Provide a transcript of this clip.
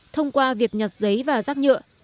thông qua việc nhặt giấy và rác nhựa